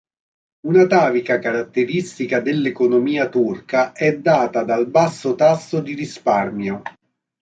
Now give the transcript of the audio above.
Un'atavica caratteristica dell'economia turca è data dal basso tasso di risparmio.